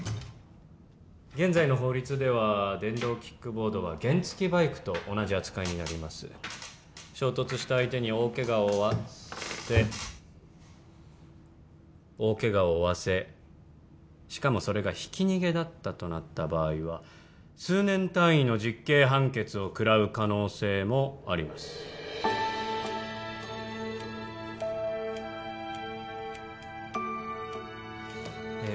現在の法律では電動キックボードは原付バイクと同じ扱いになります衝突した相手に大ケガを負わせ大ケガを負わせしかもそれがひき逃げだったとなった場合は数年単位の実刑判決を食らう可能性もありますええ